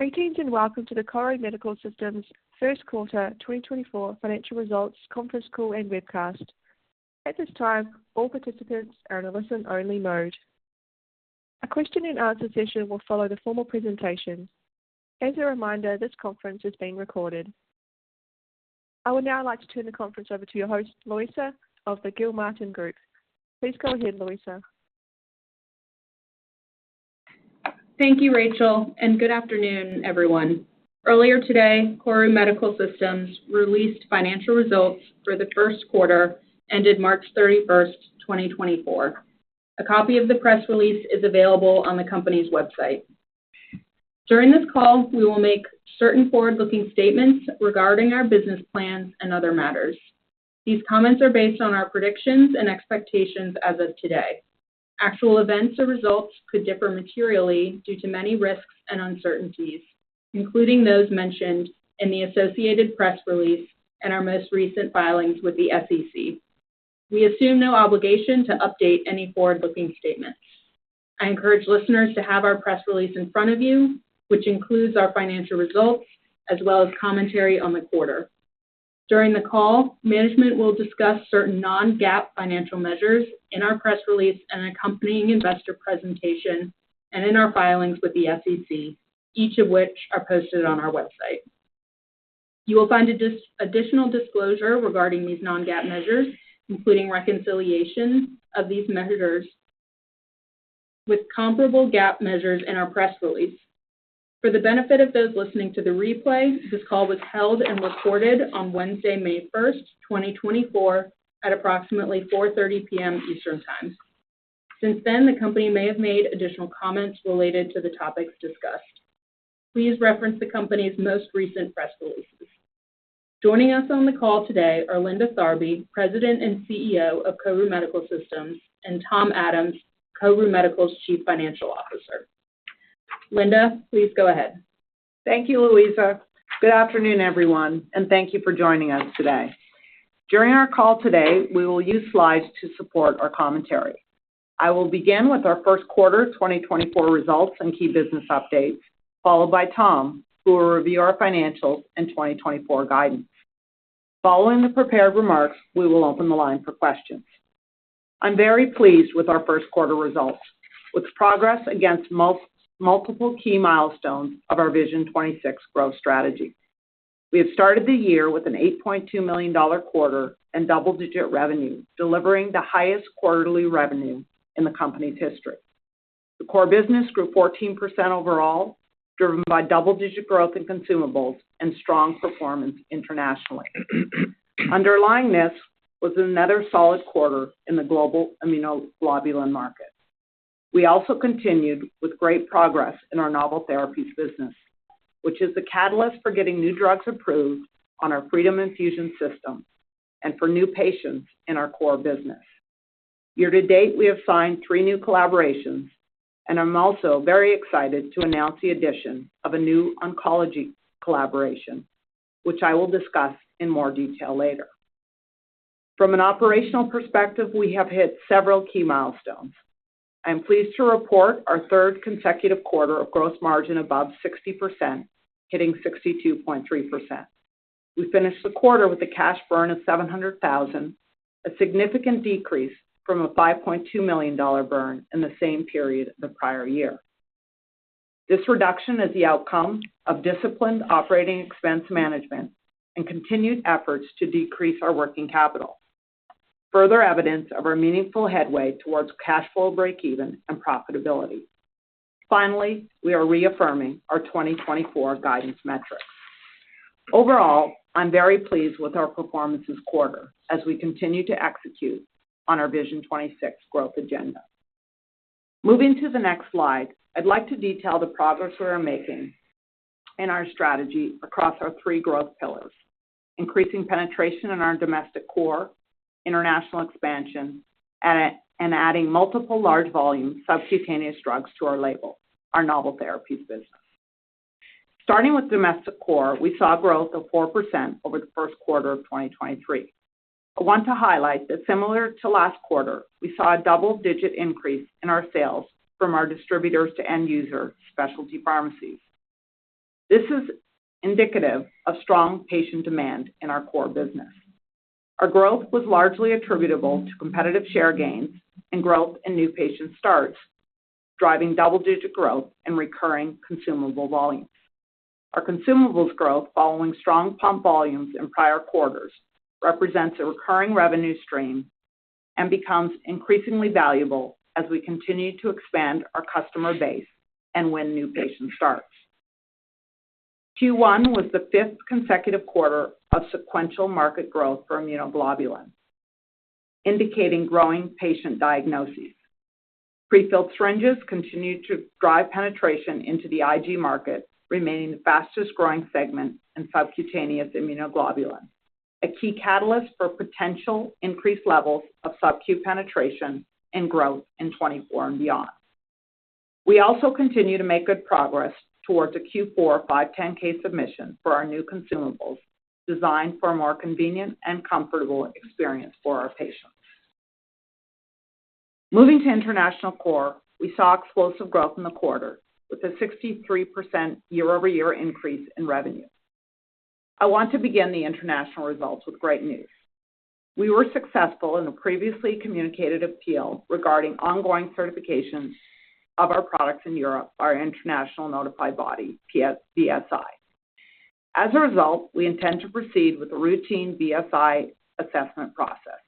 Greetings, and welcome to the KORU Medical Systems First Quarter 2024 Financial Results Conference Call and Webcast. At this time, all participants are in a listen-only mode. A question-and-answer session will follow the formal presentation. As a reminder, this conference is being recorded. I would now like to turn the conference over to your host, Louisa, of the Gilmartin Group. Please go ahead, Louisa. Thank you, Rachel, and good afternoon, everyone. Earlier today, KORU Medical Systems released financial results for the first quarter ended March 31st, 2024. A copy of the press release is available on the company's website. During this call, we will make certain forward-looking statements regarding our business plans and other matters. These comments are based on our predictions and expectations as of today. Actual events or results could differ materially due to many risks and uncertainties, including those mentioned in the associated press release and our most recent filings with the SEC. We assume no obligation to update any forward-looking statements. I encourage listeners to have our press release in front of you, which includes our financial results as well as commentary on the quarter. During the call, management will discuss certain non-GAAP financial measures in our press release and accompanying investor presentation and in our filings with the SEC, each of which are posted on our website. You will find a detailed additional disclosure regarding these non-GAAP measures, including reconciliation of these measures with comparable GAAP measures in our press release. For the benefit of those listening to the replay, this call was held and recorded on Wednesday, May first, 2024, at approximately 4:30 P.M. Eastern Time. Since then, the company may have made additional comments related to the topics discussed. Please reference the company's most recent press releases. Joining us on the call today are Linda Tharby, President and CEO of KORU Medical Systems, and Tom Adams, KORU Medical's Chief Financial Officer. Linda, please go ahead. Thank you, Louisa. Good afternoon, everyone, and thank you for joining us today. During our call today, we will use slides to support our commentary. I will begin with our first quarter 2024 results and key business updates, followed by Tom, who will review our financials and 2024 guidance. Following the prepared remarks, we will open the line for questions. I'm very pleased with our first quarter results with progress against multiple key milestones of our Vision 2026 growth strategy. We have started the year with an $8.2 million quarter and double-digit revenue, delivering the highest quarterly revenue in the company's history. The core business grew 14% overall, driven by double-digit growth in consumables and strong performance internationally. Underlying this was another solid quarter in the global immunoglobulin market. We also continued with great progress in our Novel Therapies business, which is the catalyst for getting new drugs approved on our Freedom Infusion System and for new patients in our core business. Year-to-date, we have signed three new collaborations, and I'm also very excited to announce the addition of a new oncology collaboration, which I will discuss in more detail later. From an operational perspective, we have hit several key milestones. I am pleased to report our third consecutive quarter of gross margin above 60%, hitting 62.3%. We finished the quarter with a cash burn of $700,000, a significant decrease from a $5.2 million burn in the same period the prior year. This reduction is the outcome of disciplined operating expense management and continued efforts to decrease our working capital, further evidence of our meaningful headway towards cash flow breakeven and profitability. Finally, we are reaffirming our 2024 guidance metrics. Overall, I'm very pleased with our performance this quarter as we continue to execute on our Vision 2026 growth agenda. Moving to the next slide, I'd like to detail the progress we are making in our strategy across our three growth pillars: increasing penetration in our Domestic Core, international expansion, and adding multiple large volume subcutaneous drugs to our label, our Novel Therapies business. Starting with Domestic Core, we saw growth of 4% over the first quarter of 2023. I want to highlight that similar to last quarter, we saw a double-digit increase in our sales from our distributors to end user specialty pharmacies. This is indicative of strong patient demand in our core business. Our growth was largely attributable to competitive share gains and growth in new patient starts, driving double-digit growth and recurring consumable volumes. Our consumables growth, following strong pump volumes in prior quarters, represents a recurring revenue stream and becomes increasingly valuable as we continue to expand our customer base and win new patient starts. Q1 was the fifth consecutive quarter of sequential market growth for immunoglobulins, indicating growing patient diagnoses. Prefilled syringes continued to drive penetration into the Ig market, remaining the fastest-growing segment in subcutaneous immunoglobulin, a key catalyst for potential increased levels of subQ penetration and growth in 2024 and beyond. We also continue to make good progress towards a Q4 510(k) submission for our new consumables, designed for a more convenient and comfortable experience for our patients. Moving to International Core, we saw explosive growth in the quarter, with a 63% year-over-year increase in revenue. I want to begin the international results with great news. We were successful in a previously communicated appeal regarding ongoing certification of our products in Europe, our international notified body, BSI. As a result, we intend to proceed with the routine BSI assessment process.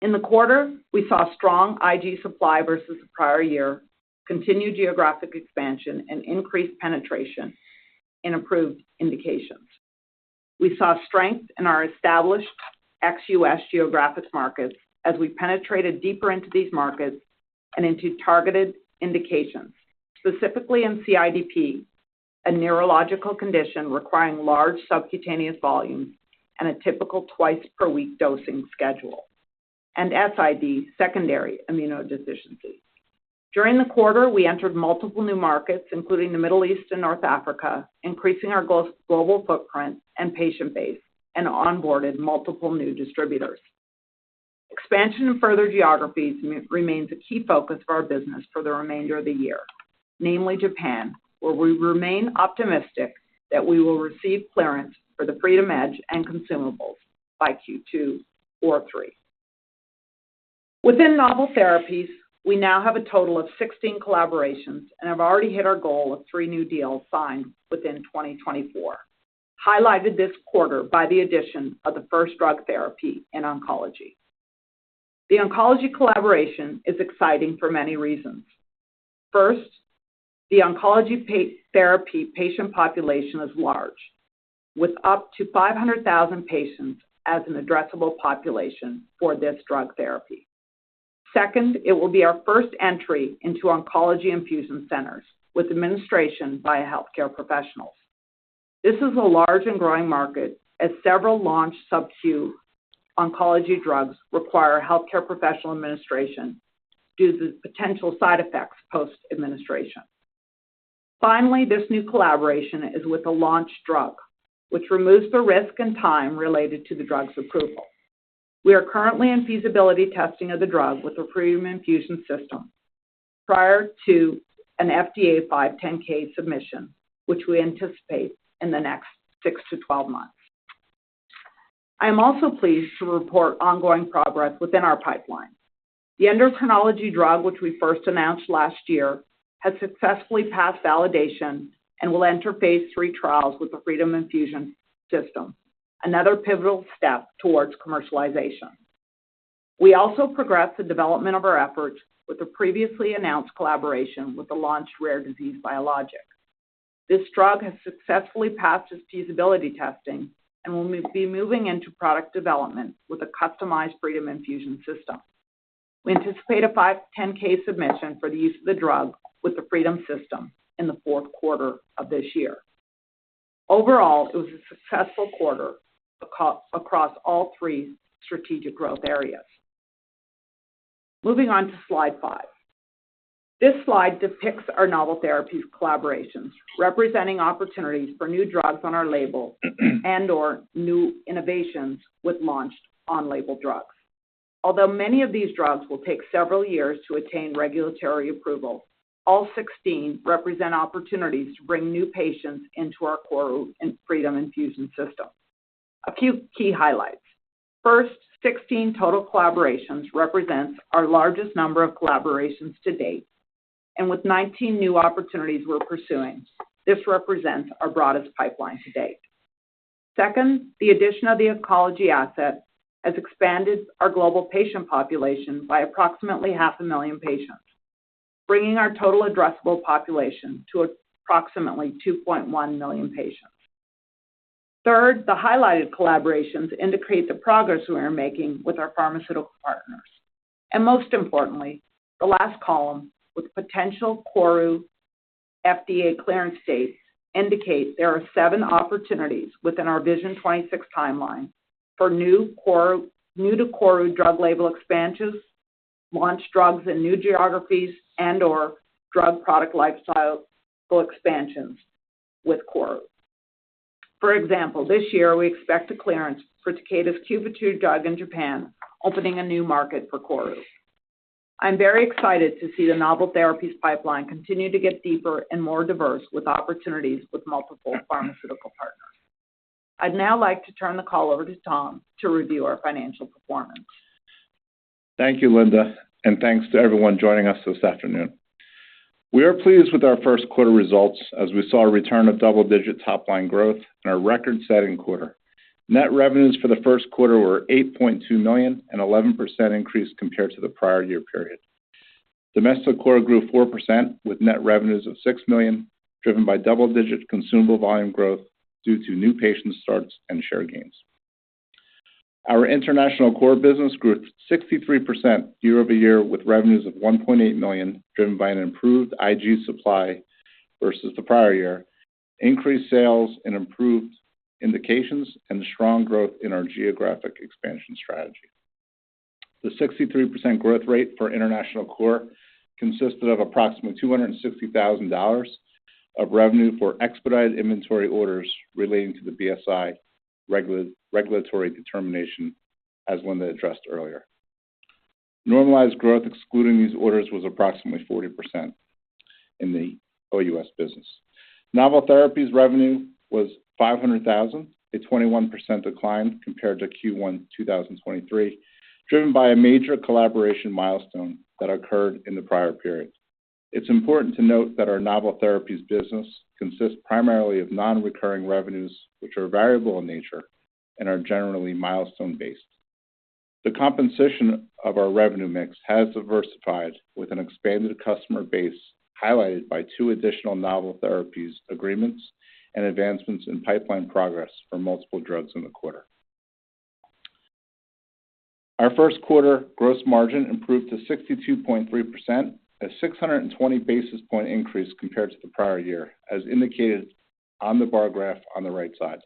In the quarter, we saw strong Ig supply versus the prior year, continued geographic expansion, and increased penetration in approved indications. We saw strength in our established ex-U.S. geographic markets as we penetrated deeper into these markets and into targeted indications, specifically in CIDP, a neurological condition requiring large subcutaneous volumes and a typical twice per week dosing schedule, and SID, secondary immunodeficiencies. During the quarter, we entered multiple new markets, including the Middle East and North Africa, increasing our global footprint and patient base, and onboarded multiple new distributors. Expansion in further geographies remains a key focus for our business for the remainder of the year, namely Japan, where we remain optimistic that we will receive clearance for the FreedomEdge and consumables by Q2 or Q3. Within novel therapies, we now have a total of 16 collaborations and have already hit our goal of three new deals signed within 2024, highlighted this quarter by the addition of the first drug therapy in oncology. The oncology collaboration is exciting for many reasons. First, the oncology therapy patient population is large, with up to 500,000 patients as an addressable population for this drug therapy. Second, it will be our first entry into oncology infusion centers, with administration by healthcare professionals. This is a large and growing market, as several launched subQ oncology drugs require healthcare professional administration due to the potential side effects post-administration. Finally, this new collaboration is with a launched drug, which removes the risk and time related to the drug's approval. We are currently in feasibility testing of the drug with the Freedom Infusion System prior to an FDA 510(k) submission, which we anticipate in the next six months-12 months. I am also pleased to report ongoing progress within our pipeline. The endocrinology drug which we first announced last year, has successfully passed validation and will enter phase III trials with the Freedom Infusion System, another pivotal step towards commercialization. We also progressed the development of our efforts with the previously announced collaboration with the launched rare disease biologic. This drug has successfully passed its feasibility testing and will be moving into product development with a customized Freedom Infusion System. We anticipate a 510(k) submission for the use of the drug with the Freedom Infusion System in the fourth quarter of this year. Overall, it was a successful quarter across all three strategic growth areas. Moving on to slide five. This slide depicts our novel therapy collaborations, representing opportunities for new drugs on our label, and/or new innovations with launched on-label drugs. Although many of these drugs will take several years to attain regulatory approval, all 16 represent opportunities to bring new patients into our KORU and Freedom Infusion System. A few key highlights. First, 16 total collaborations represents our largest number of collaborations to date, and with 19 new opportunities we're pursuing, this represents our broadest pipeline to date. Second, the addition of the oncology asset has expanded our global patient population by approximately 500,000 patients, bringing our total addressable population to approximately 2.1 million patients. Third, the highlighted collaborations indicate the progress we are making with our pharmaceutical partners. And most importantly, the last column, with potential KORU FDA clearance date, indicates there are seven opportunities within our Vision 2026 timeline for new KORU - new to KORU drug label expansions, launched drugs in new geographies, and/or drug product lifecycle expansions with KORU. For example, this year, we expect a clearance for Takeda's Cuvitru drug in Japan, opening a new market for KORU. I'm very excited to see the novel therapies pipeline continue to get deeper and more diverse with opportunities with multiple pharmaceutical partners. I'd now like to turn the call over to Tom to review our financial performance. Thank you, Linda, and thanks to everyone joining us this afternoon. We are pleased with our first quarter results, as we saw a return of double-digit top-line growth in our record-setting quarter. Net revenues for the first quarter were $8.2 million, an 11% increase compared to the prior year period. Domestic Core grew 4%, with net revenues of $6 million, driven by double-digit consumable volume growth due to new patient starts and share gains. Our International Core business grew 63% year-over-year, with revenues of $1.8 million, driven by an improved Ig supply versus the prior year, increased sales and improved indications, and strong growth in our geographic expansion strategy. The 63% growth rate for International Core consisted of approximately $260,000 of revenue for expedited inventory orders relating to the BSI regulatory determination, as Linda addressed earlier. Normalized growth, excluding these orders, was approximately 40% in the OUS business. Novel therapies revenue was $500,000, a 21% decline compared to Q1 2023, driven by a major collaboration milestone that occurred in the prior period. It's important to note that our Novel Therapies business consists primarily of non-recurring revenues, which are variable in nature and are generally milestone-based. The composition of our revenue mix has diversified with an expanded customer base, highlighted by two additional novel therapies agreements and advancements in pipeline progress for multiple drugs in the quarter. Our first quarter gross margin improved to 62.3%, a 620 basis point increase compared to the prior year, as indicated on the bar graph on the right side.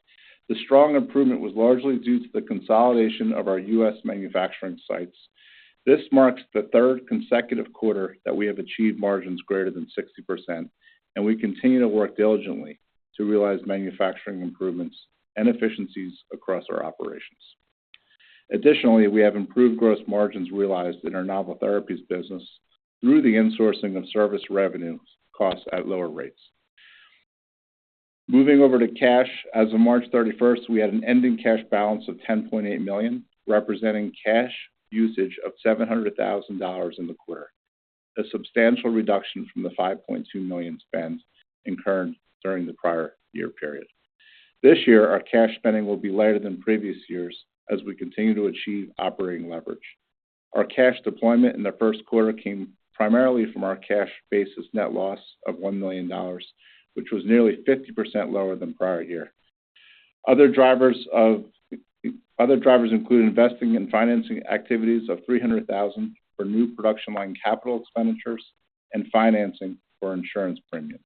The strong improvement was largely due to the consolidation of our U.S. manufacturing sites. This marks the third consecutive quarter that we have achieved margins greater than 60%, and we continue to work diligently to realize manufacturing improvements and efficiencies across our operations. Additionally, we have improved gross margins realized in our Novel Therapies business through the insourcing of service revenues costs at lower rates. Moving over to cash. As of March 31, we had an ending cash balance of $10.8 million, representing cash usage of $700,000 in the quarter, a substantial reduction from the $5.2 million spends incurred during the prior year period. This year, our cash spending will be lighter than previous years as we continue to achieve operating leverage. Our cash deployment in the first quarter came primarily from our cash basis net loss of $1 million, which was nearly 50% lower than prior year. Other drivers include investing in financing activities of $300,000 for new production line capital expenditures and financing for insurance premiums.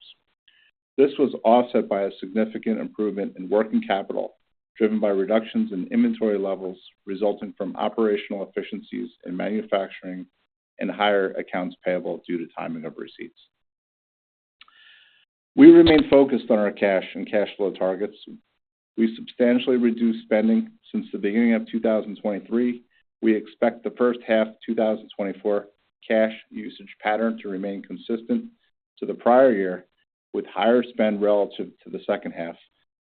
This was offset by a significant improvement in working capital, driven by reductions in inventory levels resulting from operational efficiencies in manufacturing and higher accounts payable due to timing of receipts. We remain focused on our cash and cash flow targets. We substantially reduced spending since the beginning of 2023. We expect the first half 2024 cash usage pattern to remain consistent to the prior year, with higher spend relative to the second half,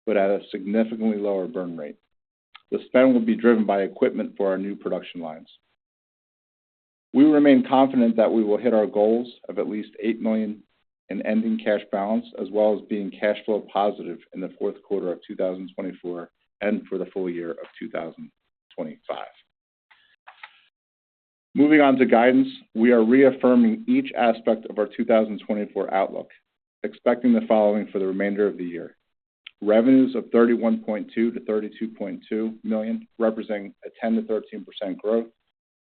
but at a significantly lower burn rate. The spend will be driven by equipment for our new production lines. We remain confident that we will hit our goals of at least $8 million in ending cash balance, as well as being cash flow positive in the fourth quarter of 2024 and for the full year of 2025. Moving on to guidance. We are reaffirming each aspect of our 2024 outlook, expecting the following for the remainder of the year: revenues of $31.2 million-$32.2 million, representing a 10%-13% growth,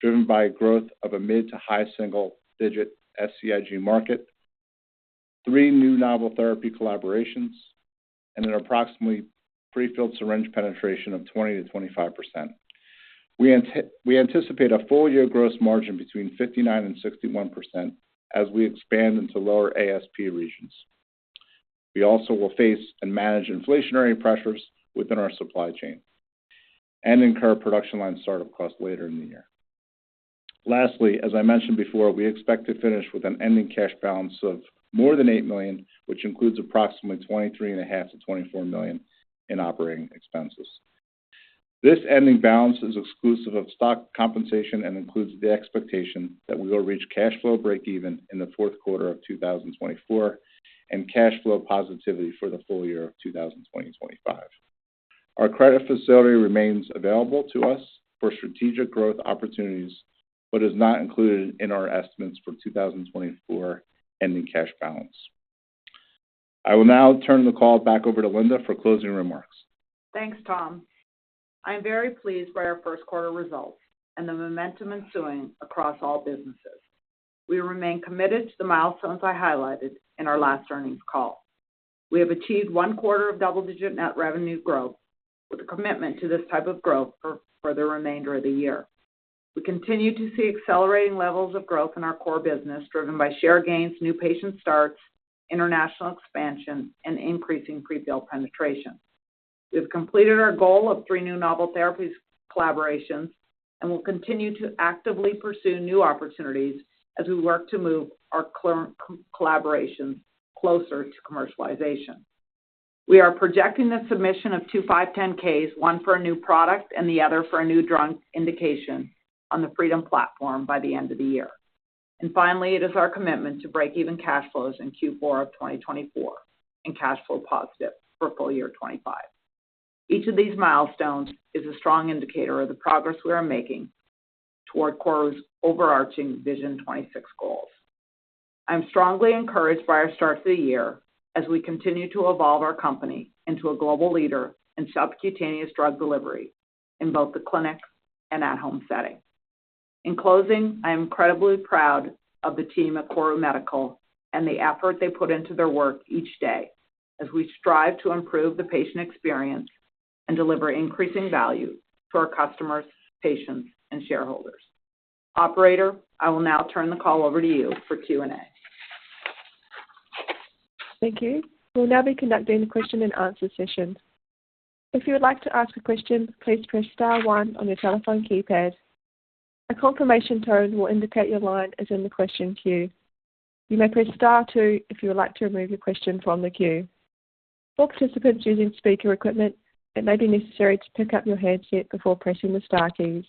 driven by growth of a mid- to high single-digit SCIg market, three new novel therapy collaborations, and an approximately prefilled syringe penetration of 20%-25%. We anticipate a full-year gross margin between 59%-61% as we expand into lower ASP regions. We also will face and manage inflationary pressures within our supply chain and incur production line startup costs later in the year. Lastly, as I mentioned before, we expect to finish with an ending cash balance of more than $8 million, which includes approximately $23.5 million-$24 million in operating expenses. This ending balance is exclusive of stock compensation and includes the expectation that we will reach cash flow breakeven in the fourth quarter of 2024, and cash flow positivity for the full year of 2025. Our credit facility remains available to us for strategic growth opportunities, but is not included in our estimates for 2024 ending cash balance. I will now turn the call back over to Linda for closing remarks. Thanks, Tom. I'm very pleased by our first quarter results and the momentum ensuing across all businesses. We remain committed to the milestones I highlighted in our last earnings call. We have achieved one quarter of double-digit net revenue growth with a commitment to this type of growth for the remainder of the year. We continue to see accelerating levels of growth in our core business, driven by share gains, new patient starts, international expansion, and increasing prefilled penetration. We have completed our goal of three new novel therapies collaborations and will continue to actively pursue new opportunities as we work to move our collaboration closer to commercialization. We are projecting the submission of two 510(k)s, one for a new product and the other for a new drug indication on the Freedom platform by the end of the year. And finally, it is our commitment to break even cash flows in Q4 of 2024 and cash flow positive for full year 2025. Each of these milestones is a strong indicator of the progress we are making toward KORU's overarching Vision 2026 goals. I'm strongly encouraged by our start to the year as we continue to evolve our company into a global leader in subcutaneous drug delivery in both the clinic and at-home setting. In closing, I am incredibly proud of the team at KORU Medical and the effort they put into their work each day as we strive to improve the patient experience and deliver increasing value to our customers, patients, and shareholders. Operator, I will now turn the call over to you for Q&A. Thank you. We'll now be conducting the question and answer session. If you would like to ask a question, please press star one on your telephone keypad. A confirmation tone will indicate your line is in the question queue. You may press star two if you would like to remove your question from the queue. For participants using speaker equipment, it may be necessary to pick up your handset before pressing the star keys.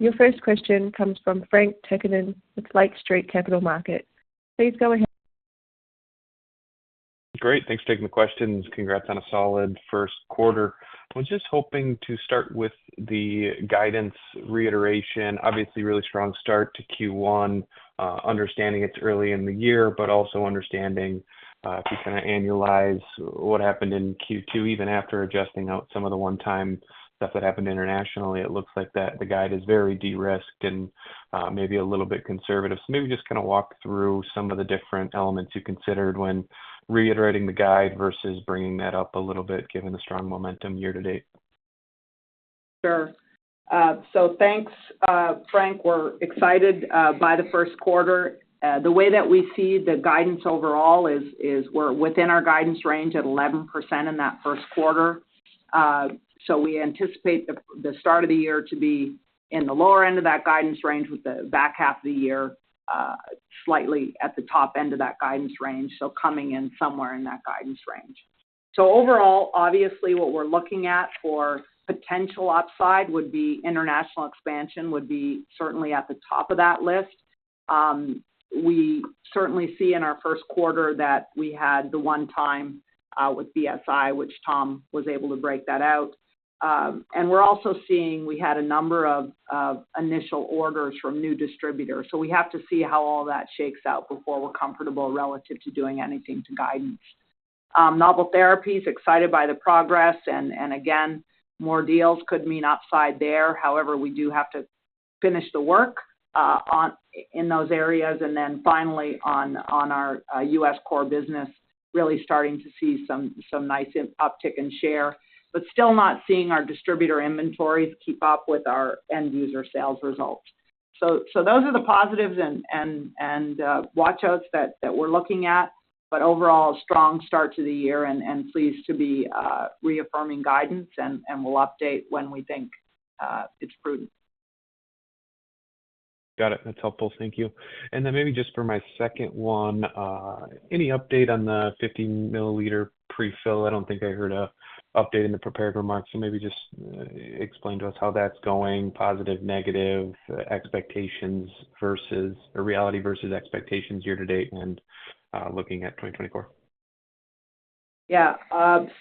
Your first question comes from Frank Takkinen with Lake Street Capital Markets. Please go ahead. Great. Thanks for taking the questions. Congrats on a solid first quarter. I was just hoping to start with the guidance reiteration. Obviously, really strong start to Q1, understanding it's early in the year, but also understanding, if you kind of annualize what happened in Q2, even after adjusting out some of the one-time stuff that happened internationally, it looks like that the guide is very de-risked and, maybe a little bit conservative. So maybe just kind of walk through some of the different elements you considered when reiterating the guide versus bringing that up a little bit, given the strong momentum year-to-date. Sure. So thanks, Frank. We're excited by the first quarter. The way that we see the guidance overall is, we're within our guidance range at 11% in that first quarter. So we anticipate the start of the year to be in the lower end of that guidance range, with the back half of the year slightly at the top end of that guidance range, so coming in somewhere in that guidance range. So overall, obviously, what we're looking at for potential upside would be international expansion, would be certainly at the top of that list. We certainly see in our first quarter that we had the one time with BSI, which Tom was able to break that out. And we're also seeing, we had a number of initial orders from new distributors, so we have to see how all that shakes out before we're comfortable relative to doing anything to guidance. Novel Therapies, excited by the progress, and again, more deals could mean upside there. However, we do have to finish the work on in those areas. And then finally, on our U.S. core business, really starting to see some nice uptick in share, but still not seeing our distributor inventories keep up with our end user sales results. So those are the positives and watch outs that we're looking at, but overall, a strong start to the year and pleased to be reaffirming guidance, and we'll update when we think it's prudent. Got it. That's helpful. Thank you. And then maybe just for my second one, any update on the 50-mL pre-fill? I don't think I heard an update in the prepared remarks. So maybe just explain to us how that's going, positive, negative, expectations versus or reality versus expectations year-to-date and looking at 2024. Yeah.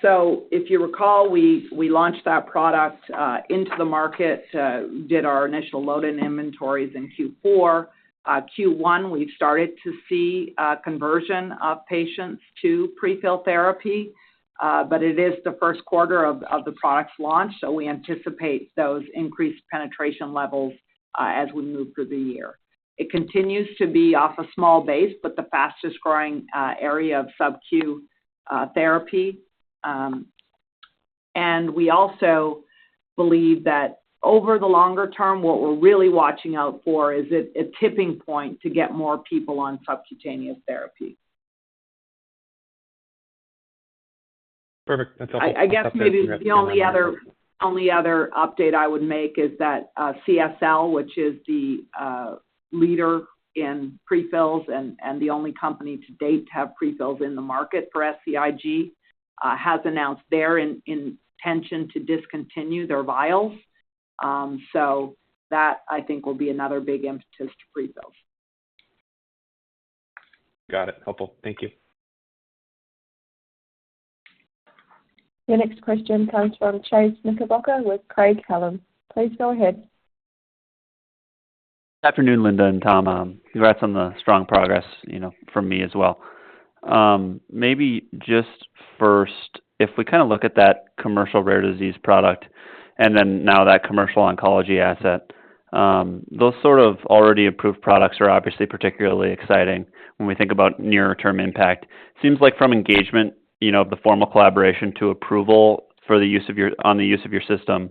So if you recall, we, we launched that product into the market, did our initial load in inventories in Q4. Q1, we've started to see a conversion of patients to pre-fill therapy, but it is the first quarter of, of the product's launch, so we anticipate those increased penetration levels as we move through the year. It continues to be off a small base, but the fastest growing area of subQ therapy. And we also believe that over the longer term, what we're really watching out for is a, a tipping point to get more people on subcutaneous therapy. Perfect. That's helpful. I guess maybe the only other, only other update I would make is that, CSL, which is the leader in pre-fills and, and the only company to date to have pre-fills in the market for SCIg, has announced their intention to discontinue their vials. So that I think will be another big impetus to pre-fill. Got it. Helpful. Thank you. Your next question comes from Chase Knickerbocker with Craig-Hallum. Please go ahead. Good afternoon, Linda and Tom. Congrats on the strong progress, you know, from me as well. Maybe just first, if we kind of look at that commercial rare disease product and then now that commercial oncology asset, those sort of already approved products are obviously particularly exciting when we think about near-term impact. Seems like from engagement, you know, the formal collaboration to approval for the use of your, on the use of your system,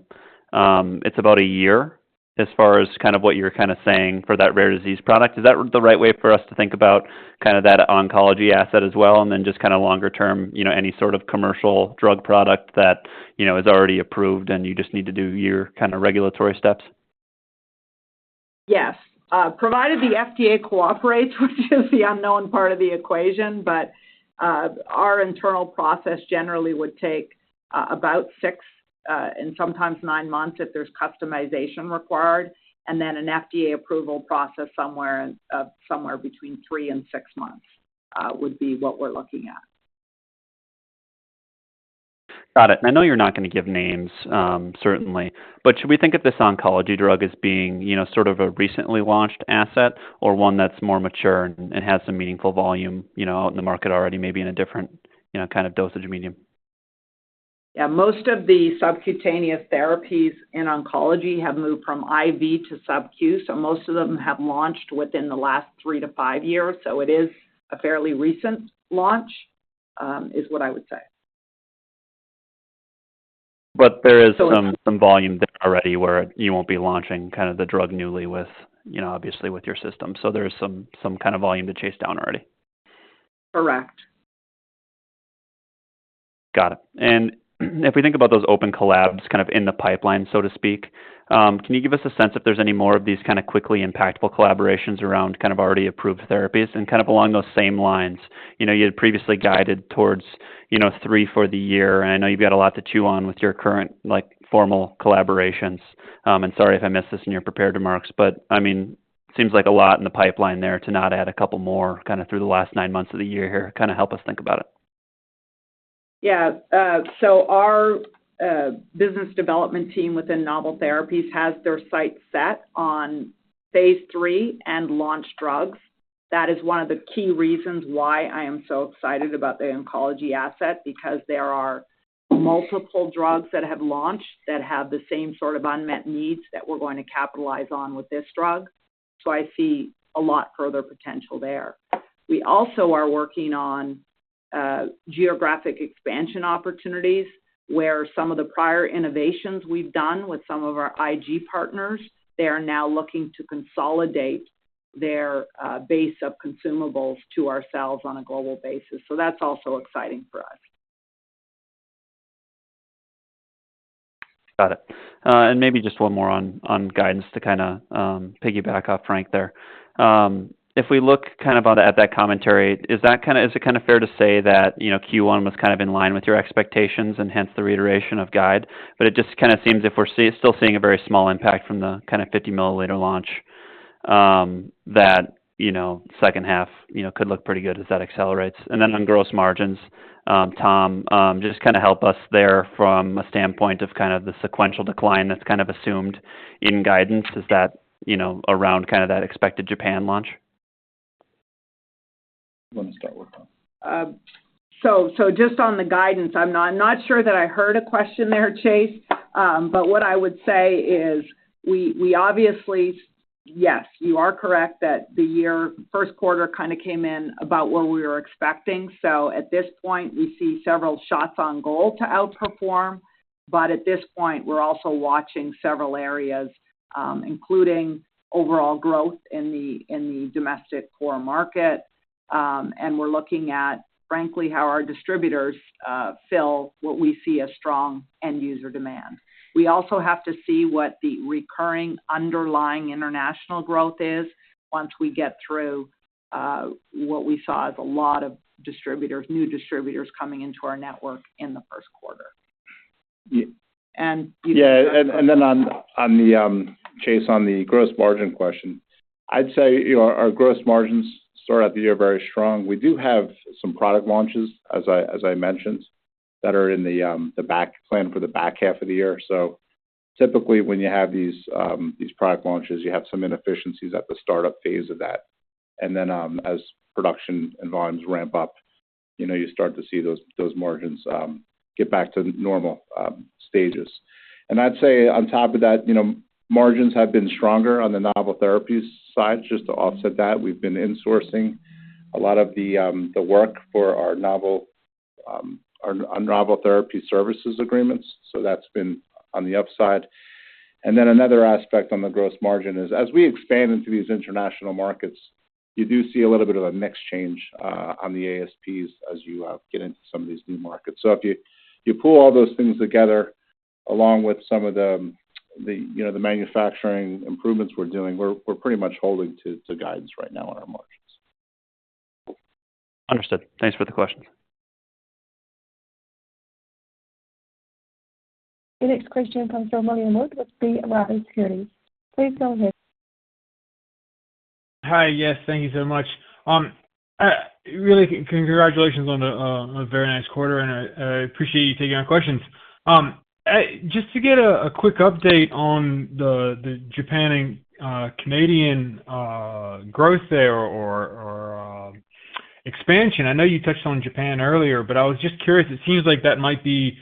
it's about a year as far as kind of what you're kind of saying for that rare disease product. Is that the right way for us to think about kind of that oncology asset as well, and then just kind of longer term, you know, any sort of commercial drug product that, you know, is already approved and you just need to do your kind of regulatory steps? Yes. Provided the FDA cooperates, which is the unknown part of the equation, but our internal process generally would take about six months and sometimes nine months if there's customization required, and then an FDA approval process somewhere between three months and six months would be what we're looking at. Got it. I know you're not going to give names, certainly, but should we think of this oncology drug as being, you know, sort of a recently launched asset or one that's more mature and has some meaningful volume, you know, out in the market already, maybe in a different, you know, kind of dosage medium? Yeah, most of the subcutaneous therapies in oncology have moved from IV to subQ, so most of them have launched within the last three years-five years. So it is a fairly recent launch, is what I would say. But there is some volume there already where you won't be launching kind of the drug newly with, you know, obviously with your system. So there's some kind of volume to chase down already? Correct. Got it. And if we think about those open collabs kind of in the pipeline, so to speak, can you give us a sense if there's any more of these kind of quickly impactful collaborations around kind of already approved therapies? And kind of along those same lines, you know, you had previously guided towards, you know, three for the year, and I know you've got a lot to chew on with your current, like, formal collaborations. And sorry if I missed this in your prepared remarks, but I mean, seems like a lot in the pipeline there to not add a couple more, kind of through the last nine months of the year here. Kind of help us think about it. Yeah, so our business development team within Novel Therapies has their sights set on phase III and launch drugs. That is one of the key reasons why I am so excited about the oncology asset, because there are multiple drugs that have launched that have the same sort of unmet needs that we're going to capitalize on with this drug. So I see a lot further potential there. We also are working on geographic expansion opportunities, where some of the prior innovations we've done with some of our IG partners, they are now looking to consolidate their base of consumables to ourselves on a global basis. So that's also exciting for us. Got it. And maybe just one more on guidance to kind of piggyback off Frank there. If we look kind of on at that commentary, is that kind of, is it kind of fair to say that, you know, Q1 was kind of in line with your expectations and hence the reiteration of guide? But it just kind of seems if we're still seeing a very small impact from the kind of 50 mL launch, that, you know, second half, you know, could look pretty good as that accelerates. And then on gross margins, Tom, just kind of help us there from a standpoint of kind of the sequential decline that's kind of assumed in guidance. Is that, you know, around kind of that expected Japan launch? You want to start with, Tom? So just on the guidance, I'm not sure that I heard a question there, Chase. But what I would say is we obviously. Yes, you are correct that the year first quarter kind of came in about where we were expecting. So at this point, we see several shots on goal to outperform. But at this point, we're also watching several areas, including overall growth in the Domestic Core market. And we're looking at, frankly, how our distributors fill what we see as strong end user demand. We also have to see what the recurring underlying international growth is once we get through what we saw as a lot of distributors, new distributors coming into our network in the first quarter. Yeah, and then on the Chase, on the gross margin question, I'd say, you know, our gross margins start out the year very strong. We do have some product launches, as I mentioned, that are planned for the back half of the year. So typically, when you have these product launches, you have some inefficiencies at the startup phase of that. And then, as production and volumes ramp up, you know, you start to see those margins get back to normal stages. And I'd say on top of that, you know, margins have been stronger on the novel therapies side. Just to offset that, we've been insourcing a lot of the work for our novel therapy services agreements, so that's been on the upside. And then another aspect on the gross margin is, as we expand into these international markets, you do see a little bit of a mix change on the ASPs as you get into some of these new markets. So if you pull all those things together, along with some of the, you know, the manufacturing improvements we're doing, we're pretty much holding to guidance right now on our margins. Understood. Thanks for the question. The next question comes from William Wood with B. Riley Securities. Please go ahead. Hi. Yes, thank you so much. Really, congratulations on a very nice quarter, and I appreciate you taking our questions. Just to get a quick update on the Japan and Canadian growth there or expansion. I know you touched on Japan earlier, but I was just curious. It seems like that might be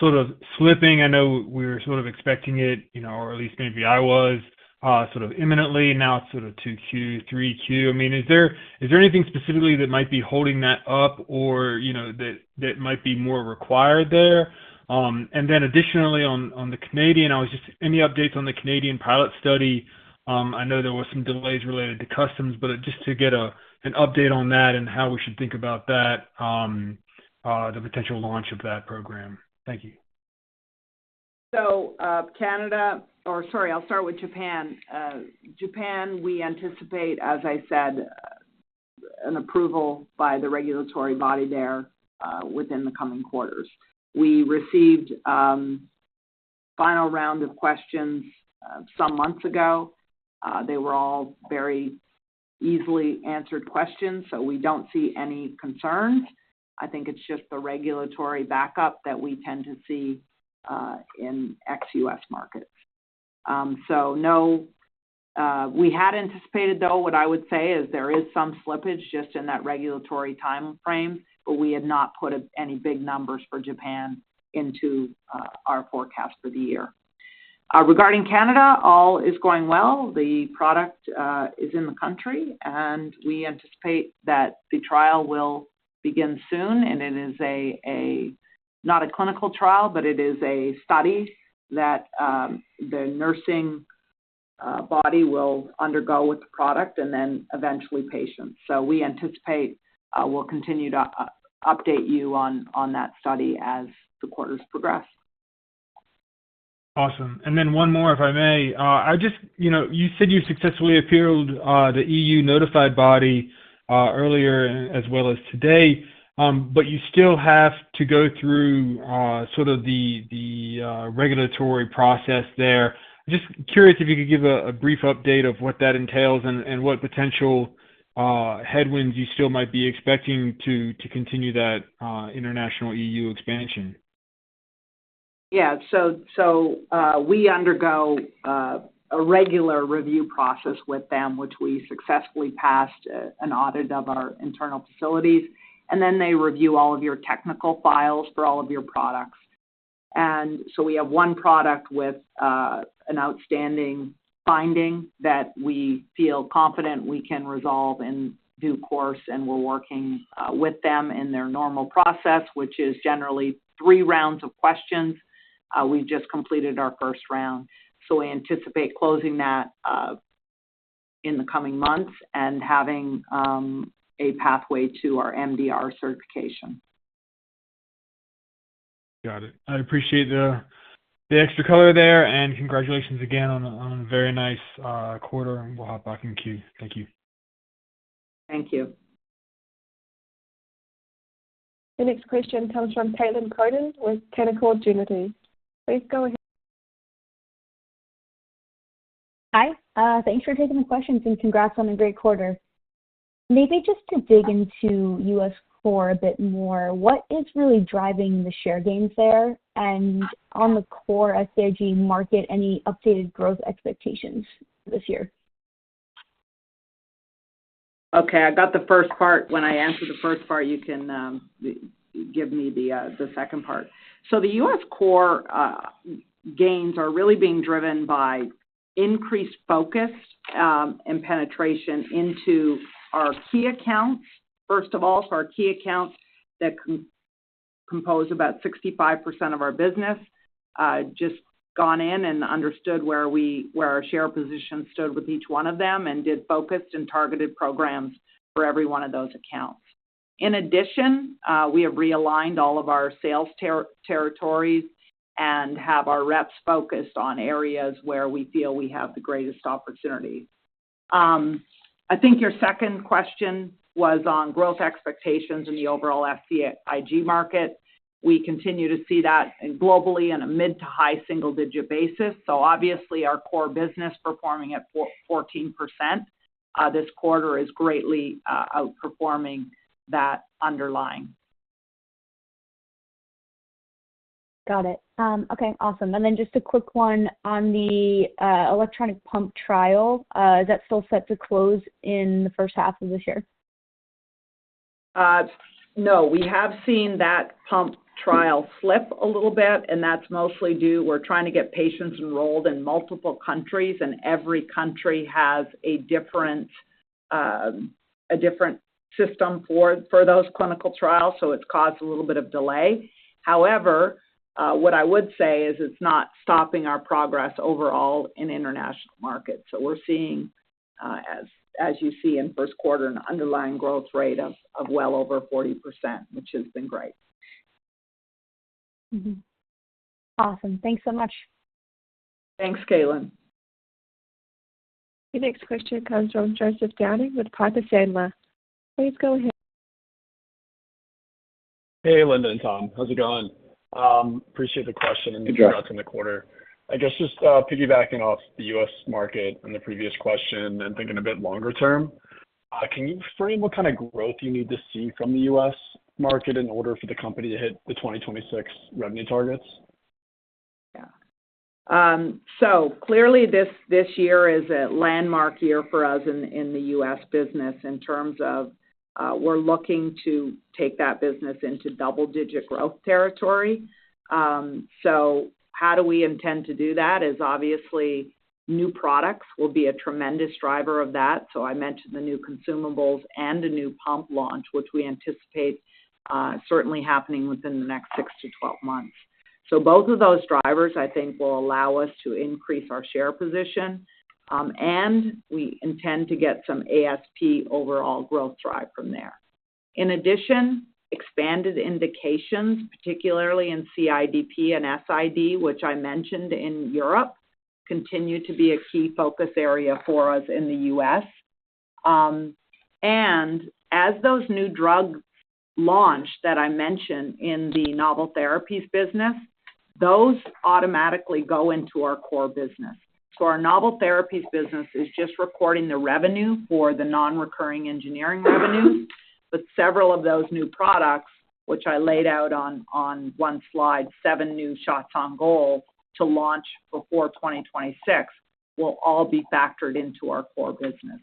sort of slipping. I know we were sort of expecting it, you know, or at least maybe I was sort of imminently. Now it's sort of 2Q, 3Q. I mean, is there anything specifically that might be holding that up or, you know, that might be more required there? And then additionally, on the Canadian, I was just any updates on the Canadian pilot study? I know there were some delays related to customs, but just to get an update on that and how we should think about that, the potential launch of that program. Thank you. Canada, or sorry, I'll start with Japan. Japan, we anticipate, as I said, an approval by the regulatory body there, within the coming quarters. We received final round of questions some months ago. They were all very easily answered questions, so we don't see any concerns. I think it's just the regulatory backup that we tend to see in ex-U.S. markets. So no, we had anticipated, though, what I would say is there is some slippage just in that regulatory timeframe, but we had not put any big numbers for Japan into our forecast for the year. Regarding Canada, all is going well. The product is in the country, and we anticipate that the trial will begin soon. It is not a clinical trial, but it is a study that the nursing body will undergo with the product and then eventually patients. So we anticipate we'll continue to update you on that study as the quarters progress. Awesome. And then one more, if I may. I just, you know, you said you successfully appealed the EU notified body earlier as well as today, but you still have to go through sort of the regulatory process there. Just curious if you could give a brief update of what that entails and what potential headwinds you still might be expecting to continue that international EU expansion. Yeah. So, we undergo a regular review process with them, which we successfully passed an audit of our internal facilities, and then they review all of your technical files for all of your products. And so we have one product with an outstanding finding that we feel confident we can resolve in due course, and we're working with them in their normal process, which is generally three rounds of questions. We've just completed our first round, so we anticipate closing that in the coming months and having a pathway to our MDR certification. Got it. I appreciate the extra color there, and congratulations again on a very nice quarter, and we'll hop back in queue. Thank you. Thank you. The next question comes from Caitlin Cronin with Canaccord Genuity. Please go ahead. Hi, thanks for taking the questions, and congrats on a great quarter. Maybe just to dig into U.S. core a bit more, what is really driving the share gains there? And on the core SCIg market, any updated growth expectations this year? Okay, I got the first part. When I answer the first part, you can give me the second part. So the U.S. core gains are really being driven by increased focus and penetration into our key accounts. First of all, our key accounts that compose about 65% of our business just gone in and understood where our share position stood with each one of them and did focused and targeted programs for every one of those accounts. In addition, we have realigned all of our sales territories and have our reps focused on areas where we feel we have the greatest opportunity. I think your second question was on growth expectations in the overall SCIg market. We continue to see that globally in a mid- to high-single-digit basis. So obviously, our core business performing at 4%-14% this quarter is greatly outperforming that underlying. Got it. Okay, awesome. And then just a quick one on the electronic pump trial. Is that still set to close in the first half of this year? No. We have seen that pump trial slip a little bit, and that's mostly due—we're trying to get patients enrolled in multiple countries, and every country has a different system for those clinical trials, so it's caused a little bit of delay. However, what I would say is it's not stopping our progress overall in international markets. So we're seeing, as you see in first quarter, an underlying growth rate of well over 40%, which has been great. Awesome. Thanks so much. Thanks, Caitlin. The next question comes from Joseph Downing with Piper Sandler. Please go ahead. Hey, Linda and Tom. How's it going? Appreciate the question and congrats on the quarter. I guess just piggybacking off the U.S. market and the previous question and thinking a bit longer term, can you frame what kind of growth you need to see from the U.S. market in order for the company to hit the 2026 revenue targets? Yeah. So clearly, this year is a landmark year for us in the U.S. business in terms of we're looking to take that business into double-digit growth territory. So how do we intend to do that is obviously, new products will be a tremendous driver of that. So I mentioned the new consumables and a new pump launch, which we anticipate certainly happening within the next six months-12 months. So both of those drivers, I think, will allow us to increase our share position, and we intend to get some ASP overall growth drive from there. In addition, expanded indications, particularly in CIDP and SID, which I mentioned in Europe, continue to be a key focus area for us in the U.S. And as those new drugs launch that I mentioned in the Novel Therapies business, those automatically go into our core business. So our Novel Therapies business is just recording the revenue for the nonrecurring engineering revenue, but several of those new products, which I laid out on one slide, seven new shots on goal to launch before 2026, will all be factored into our core business.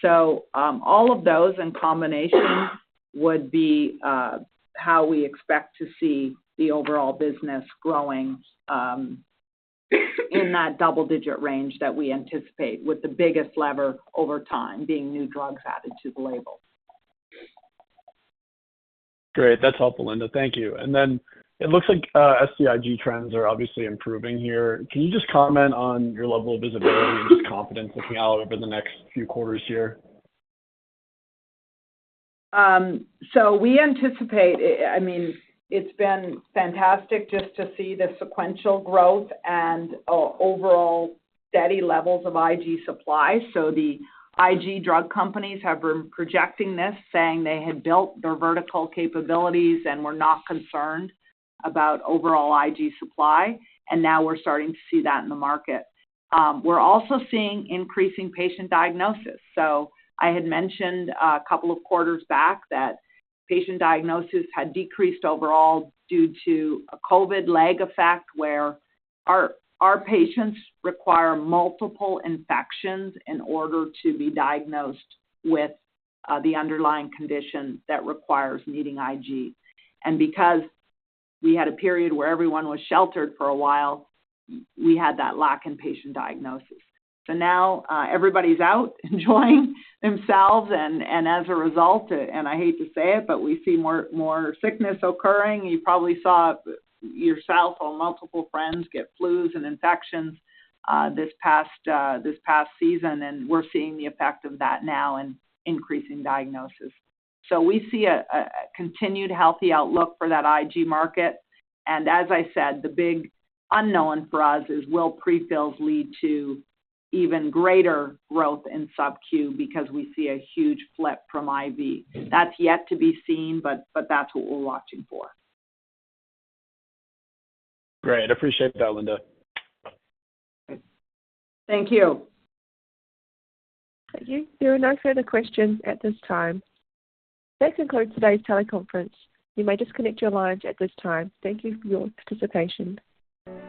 So, all of those in combination would be how we expect to see the overall business growing, in that double-digit range that we anticipate, with the biggest lever over time being new drugs added to the label. Great. That's helpful, Linda. Thank you. And then it looks like, SCIg trends are obviously improving here. Can you just comment on your level of visibility and just confidence looking out over the next few quarters here? So we anticipate, I mean, it's been fantastic just to see the sequential growth and overall steady levels of Ig supply. So the Ig drug companies have been projecting this, saying they had built their vertical capabilities and were not concerned about overall Ig supply, and now we're starting to see that in the market. We're also seeing increasing patient diagnosis. So I had mentioned a couple of quarters back that patient diagnosis had decreased overall due to a COVID lag effect, where our, our patients require multiple infections in order to be diagnosed with the underlying condition that requires needing IG. And because we had a period where everyone was sheltered for a while, we had that lack in patient diagnosis. So now, everybody's out enjoying themselves. And as a result, I hate to say it, but we see more sickness occurring. You probably saw yourself or multiple friends get flus and infections this past season, and we're seeing the effect of that now in increasing diagnosis. So we see a continued healthy outlook for that Ig market, and as I said, the big unknown for us is, will pre-fills lead to even greater growth in subQ? Because we see a huge flip from IV. That's yet to be seen, but that's what we're watching for. Great. I appreciate that, Linda. Thank you. Thank you. There are no further questions at this time. That concludes today's teleconference. You may disconnect your lines at this time. Thank you for your participation.